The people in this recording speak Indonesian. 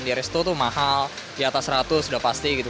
di resto tuh mahal di atas seratus sudah pasti gitu